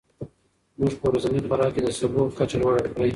موږ په ورځني خوراک کې د سبو کچه لوړه کړې.